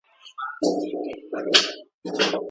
که د بریښنا مزي تر ځمکي لاندې سي، نو د ښار منظره نه خرابیږي.